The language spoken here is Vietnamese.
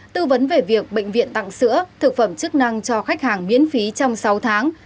tư vấn về việc bệnh viện tặng sữa thực phẩm chức năng cho khách hàng miễn phí trong sáu tháng